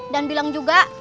dan bilang juga